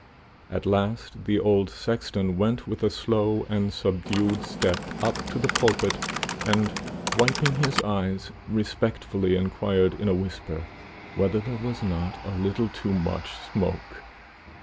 At last the old sexton went with a slow and subdued step up to the pulpit, and, wiping his eyes, respectfully inquired, in a whisper, whether there was not a little too much smoke.